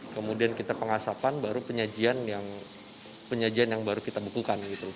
kemudian kita pengasapan baru penyajian yang baru kita bukukan